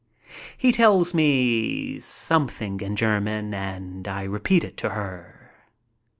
He tells me something in German and I repeat it to her.